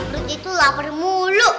ruth itu lapar mulu